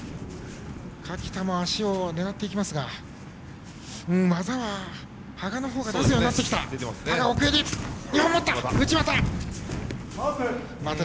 垣田も足を狙っていきますが技は羽賀のほうが出すようになってきました。